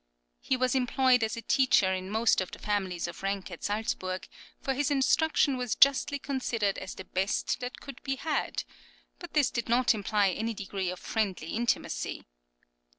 He was employed as a teacher in most of the families of rank at Salzburg, for his instruction was justly considered as the best that could be had; but this did not imply any degree of friendly intimacy.